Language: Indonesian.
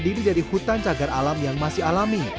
diri dari hutan cagar alam yang masih alami